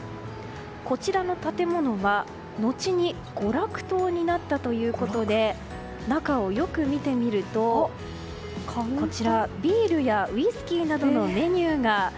こちらの建物はのちに娯楽棟になったということで中をよく見ると、ビールやウイスキーなどのメニューが。